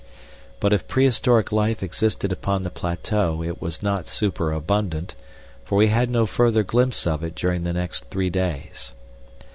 But if prehistoric life existed upon the plateau it was not superabundant, for we had no further glimpse of it during the next three days.